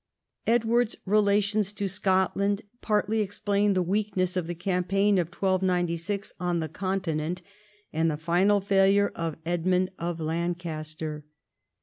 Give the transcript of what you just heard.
Edward's relations to Scotland partly explain the weakness of the campaign of 1296 on the Continent, and the final failure of Edmund of Lancaster.